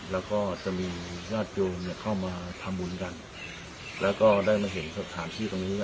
แล้วก็จะมีญาติโยมเข้ามาทำบุญกันแล้วก็ได้มาเห็นสถานที่ตรงนี้